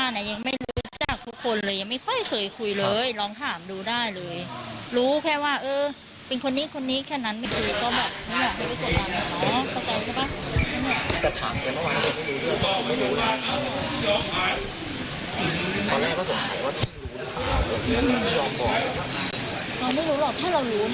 เราไม่รู้หรอกถ้าเรารู้เนี่ยถ้าสมดาลว่าเรารู้อ่ะ